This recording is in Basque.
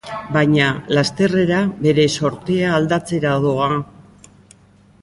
Baina lasterrera bere zortea aldatzera doa...